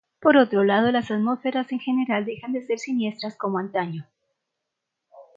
Por otro lado, las atmósferas en general dejan de ser siniestras como antaño.